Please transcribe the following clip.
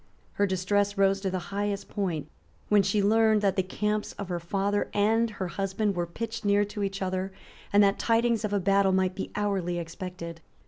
Her distress rose to the highest point when she learned that the camps of her father and her husband were pitched near to each other, and that tidings of a battle might be hourly expected.